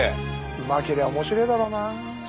うまけりゃ面白いだろうな。